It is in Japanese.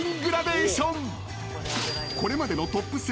［これまでのトップ３］